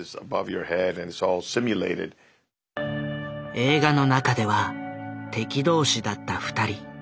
映画の中では敵同士だった２人。